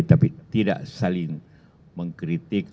tapi tidak saling mengkritik